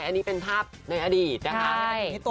และนี่เป็นภาพในอดีต